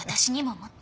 もっと！